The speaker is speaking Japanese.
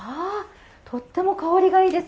とても香りがいいです。